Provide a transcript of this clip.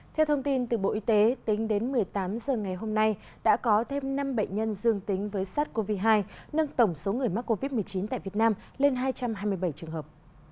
theo thông tin từ bộ y tế tính đến một mươi tám h ngày hôm nay đã có thêm năm bệnh nhân dương tính với sars cov hai nâng tổng số người mắc covid một mươi chín tại việt nam lên hai trăm hai mươi bảy trường hợp